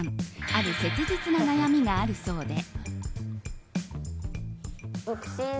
ある切実な悩みがあるそうで。